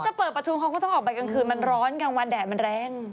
จะเปิดประชุมเขาก็ต้องออกไปกลางคืนมันร้อนกลางวันแดดมันแรง